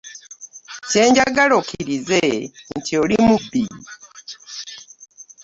Kye njagala okkirize nti oli mubbi.